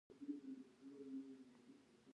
هغه د درېیم ځل لپاره هم ښه سوچ وکړ.